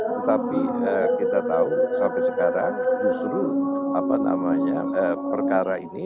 tetapi kita tahu sampai sekarang justru perkara ini